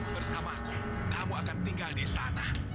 bersama aku kamu akan tinggal di sana